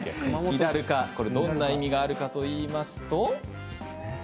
どんな意味があるかといいますと。